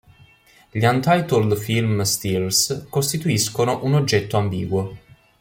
Gli Untitled Film Stills costituiscono un oggetto ambiguo.